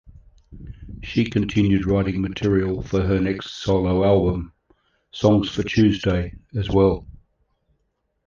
She continued writing material for her next solo album, "Songs For Tuesday", as well.